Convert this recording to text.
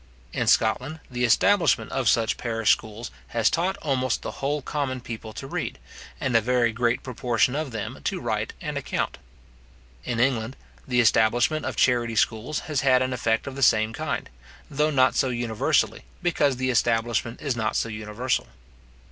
In Scotland, the establishment of such parish schools has taught almost the whole common people to read, and a very great proportion of them to write and account. In England, the establishment of charity schools has had an effect of the same kind, though not so universally, because the establishment is not so universal.